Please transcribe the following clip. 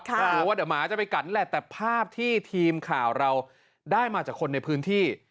กลัวว่าเดี๋ยวหมาจะไปกัดนั่นแหละแต่ภาพที่ทีมข่าวเราได้มาจากคนในพื้นที่